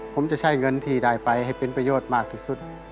ผมจะใช้เงินที่ได้ไปให้เป็นประโยชน์มากที่สุด